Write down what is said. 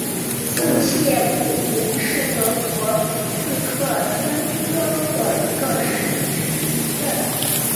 茨歇普林是德国萨克森州的一个市镇。